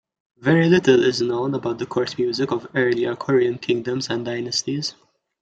Very little is known about the court music of earlier Korean kingdoms and dynasties.